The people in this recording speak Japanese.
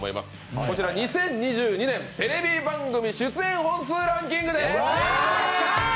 こちら２０２２年テレビ番組出演本数ランキングです。